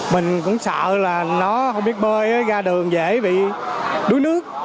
mình cũng sợ là nó không biết bơi ra đường dễ bị đuối nước